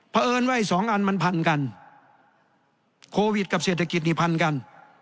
เพราะเอิญว่าอีกสองอันมันพันกันโควิดกับเศรษฐกิจนี่พันกัน